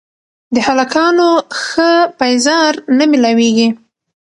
د هلکانو ښه پېزار نه مېلاوېږي